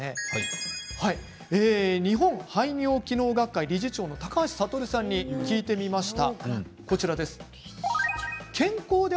日本排尿機能学会の理事長高橋悟さんに聞きました。